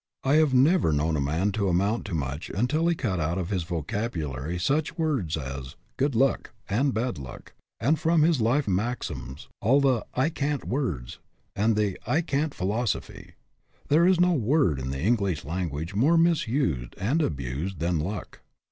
I have never known a man to amount to much until he cut out of his vocabulary such words as " good luck " and " bad luck," and from his life maxims all the " I can't " words and the " I can't " philosophy. There is no word in the English language more misused and abused than " luck."